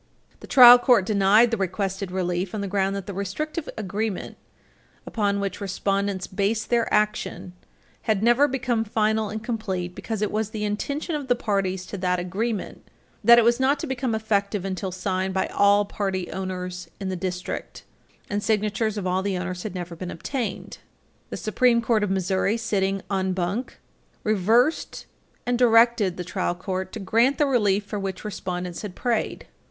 The trial court denied the requested relief on the ground that the restrictive agreement, upon which respondents based their action, had never become final and complete because it was the intention of the parties to that agreement that it was not to become effective until signed by all property owners in the district, and signatures of all the owners had never been obtained. The Supreme Court of Missouri, sitting en banc, reversed and directed the trial court to grant the relief for which respondents had prayed.